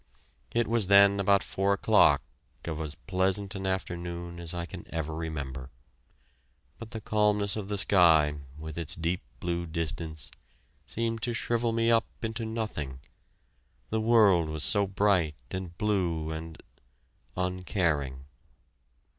It was then about four o'clock of as pleasant an afternoon as I can ever remember. But the calmness of the sky, with its deep blue distance, seemed to shrivel me up into nothing. The world was so bright, and blue, and uncaring!